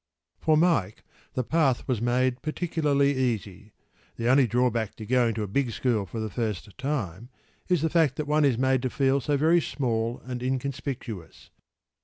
p> For Mike the path was made particularly easy.  The only drawback to going to a big school for the first time is the fact that one is made to feel so very small and inconspicuous.